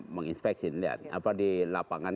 menginspeksi lihat apa di lapangan